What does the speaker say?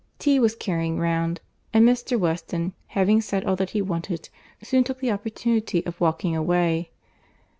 Tea was carrying round, and Mr. Weston, having said all that he wanted, soon took the opportunity of walking away.